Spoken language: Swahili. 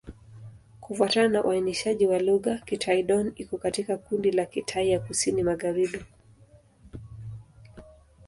Kufuatana na uainishaji wa lugha, Kitai-Dón iko katika kundi la Kitai ya Kusini-Magharibi.